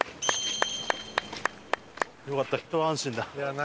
よかったひと安心だ。